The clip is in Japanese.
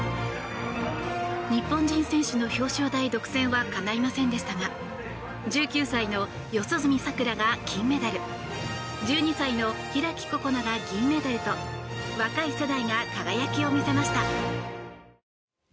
日本人選手の表彰台独占はかないませんでしたが１９歳の四十住さくらが金メダル１２歳の開心那が銀メダルと若い世代が輝きを見せました。